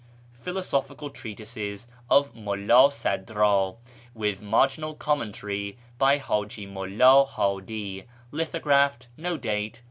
Philosophical treatises of Mulla Sadi ii, with marginal commentary by Haji Mulla Hadi. Lithographed. No date.